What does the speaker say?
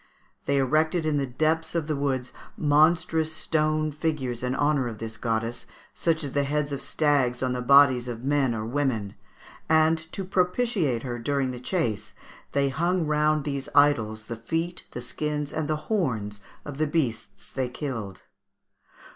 They erected in the depths of the woods monstrous stone figures in honour of this goddess, such as the heads of stags on the bodies of men or women; and, to propitiate her during the chase, they hung round these idols the feet, the skins, and the horns of the beasts they killed.